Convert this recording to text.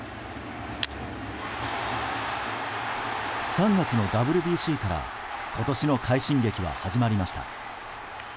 ３月のＷＢＣから今年の快進撃は始まりました。